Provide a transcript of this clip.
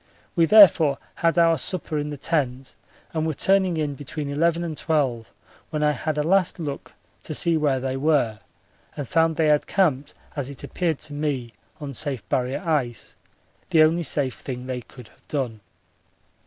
We therefore had our supper in the tent and were turning in between eleven and twelve when I had a last look to see where they were and found they had camped as it appeared to me on safe Barrier ice, the only safe thing they could have done.